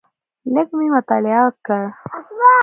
لږ مې مطالعه کړ.